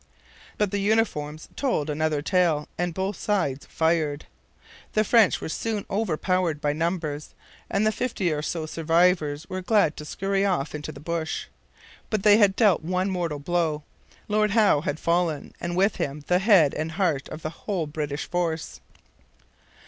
But the uniforms told another tale and both sides fired. The French were soon overpowered by numbers, and the fifty or so survivors were glad to scurry off into the bush. But they had dealt one mortal blow. Lord Howe had fallen, and, with him, the head and heart of the whole British force.